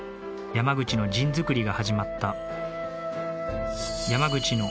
山口のジン作りが始まった。